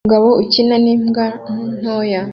Umugabo ukina n'imbwa ntoya